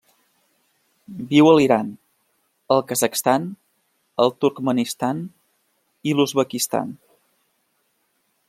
Viu a l'Iran, el Kazakhstan, el Turkmenistan i l'Uzbekistan.